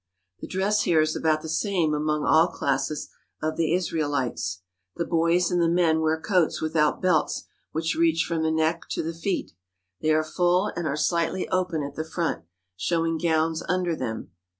The dress here is about the same among all classes of the Israelites. The boys and the men wear coats with out belts which reach from the neck to the feet. They are full, and are slightly open at the front, showing gowns under them.